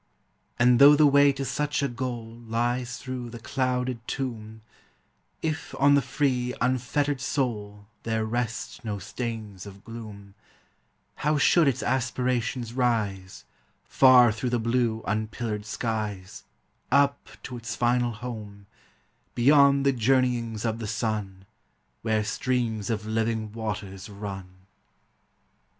And though the way to such a goal Lies through the clouded tomb, If on the free, unfettered soul There rest no stains of gloom, How should its aspirations rise Far through the blue unpillared skies, Up to its final home, Beyond the journeyings of the sun, Where streams of living waters run!